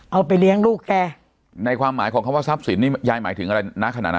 เอาไปเลี้ยงลูกแกในความหมายของคำว่าทรัพย์สินนี่ยายหมายถึงอะไรณขณะนั้น